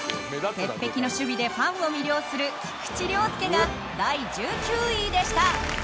鉄壁の守備でファンを魅了する菊池涼介が第１９位でした。